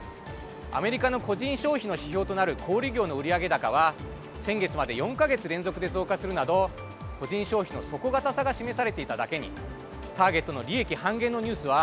アメリカの個人消費の指標となる小売り業の売上高は先月まで４か月連続で増加するなど個人消費の底堅さが示されていただけにターゲットの利益半減のニュースは